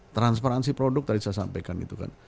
transparansi produk tadi saya sampaikan itu kan